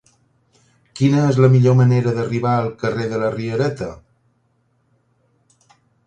Quina és la millor manera d'arribar al carrer de la Riereta?